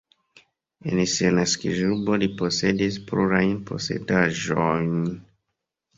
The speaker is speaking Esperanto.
En sia naskiĝurbo li posedis plurajn posedaĵojn.